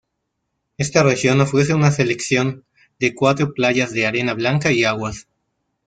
Esta región ofrece una selección de cuatro playas de arena blanca y aguas.